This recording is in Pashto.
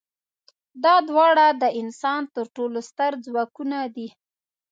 دا دواړه د انسان تر ټولو ستر ځواکونه دي.